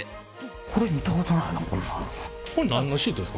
これ見たことないなこんなん。